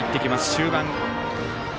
終盤。